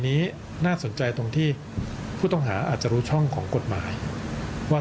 นี้น่าสนใจตรงที่ผู้ต้องหาอาจจะรู้ช่องของกฎหมายว่า